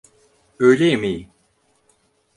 Öğle yemeği.